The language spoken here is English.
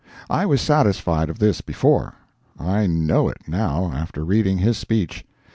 I was satisfied of this before. I know it now, after reading his speech.